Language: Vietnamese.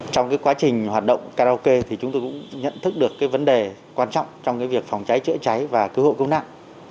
trong quá trình hoạt động karaoke thì chúng tôi cũng nhận thức được vấn đề quan trọng trong việc phòng cháy chữa cháy và cứu hộ công nặng